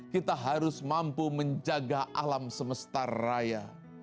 kita harus mampu menjaga alam semesta raya